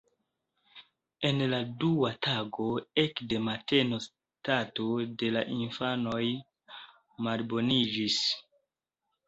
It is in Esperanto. En la dua tago ekde mateno stato de la infanoj malboniĝis.